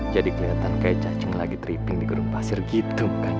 jadi kelihatan kayak cacing lagi teriping di gedung pasir gitu makanya